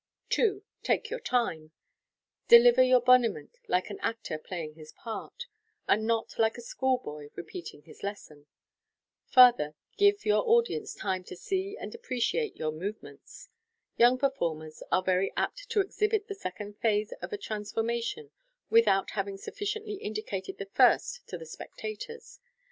2. Take your time. Deliver your honiment like an actor playing his part, and not like a school boy repeating his lesson. Further, give your audience time to see and appreciate your movements. Young performers are very apt to exhibit the second phase of a trans formation without having sufficiently indicated the first to the spec tators.